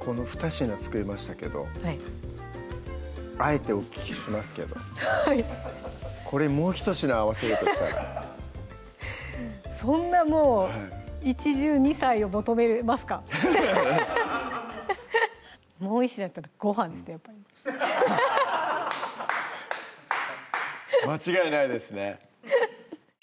この２品作りましたけどあえてお聞きしますけどこれもう１品合わせるとしたらそんなもう一汁二菜を求めますかもう１品だったらごはんですねやっぱり間違いないですね